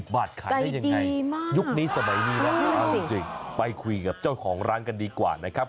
บาทขายได้ยังไงยุคนี้สมัยนี้นะเอาจริงไปคุยกับเจ้าของร้านกันดีกว่านะครับ